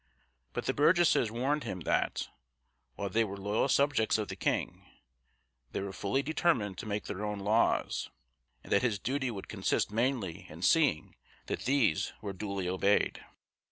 But the Burgesses warned him that, while they were loyal subjects of the king, they were fully determined to make their own laws, and that his duty would consist mainly in seeing that these were duly obeyed.